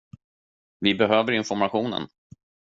Vi behöver informationen.